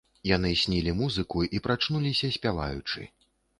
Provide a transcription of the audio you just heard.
Яны снілі музыку і прачнуліся, спяваючы.